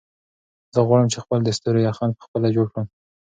زه غواړم چې خپل د ستورو یخن په خپله جوړ کړم.